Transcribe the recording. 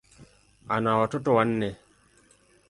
Ana watoto wanne.